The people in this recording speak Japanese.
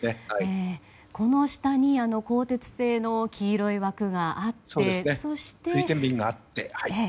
この下に鋼鉄製の黄色い枠があると。